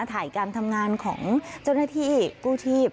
ถ่ายการทำงานของเจ้าหน้าที่กู้ชีพ